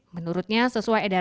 menurutnya sesuai edasnya